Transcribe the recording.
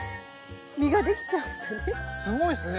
すごいっすね。